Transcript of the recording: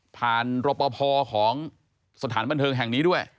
ผ่านรปภของสถานพันธ์บันเทิงแห่งนี้ด้วย